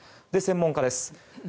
専門家です。